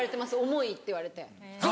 「重い」って言われて。